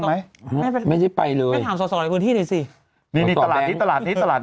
ไม่ไม่จะไปเลยกันส่อโค้งที่น่ะสินี่ตลาดนี่ตลาดนี่ตลาด